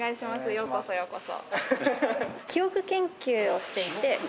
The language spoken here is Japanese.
ようこそようこそ。